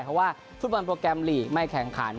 เพราะว่าฟุตบอลโปรแกรมลีกไม่แข่งขัน